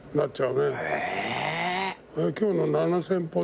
今日の７，０００歩